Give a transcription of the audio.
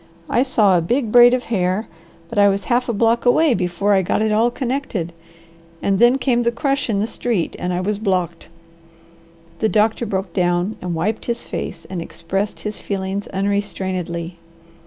I saw a big braid of hair, but I was half a block away before I got it all connected, and then came the crush in the street, and I was blocked." The doctor broke down and wiped his face and expressed his feelings unrestrainedly.